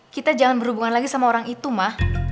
kita jangan berhubungan lagi sama orang itu mah